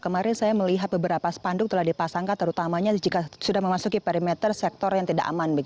kemarin saya melihat beberapa spanduk telah dipasangkan terutamanya jika sudah memasuki perimeter sektor yang tidak aman